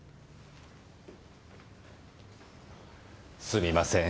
すみません。